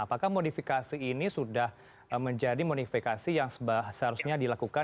apakah modifikasi ini sudah menjadi modifikasi yang seharusnya dilakukan